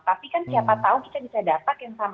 tapi kan siapa tahu kita bisa dapat yang sama